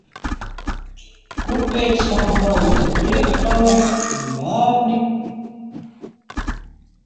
Kur pēc tam palika direktore un bērni?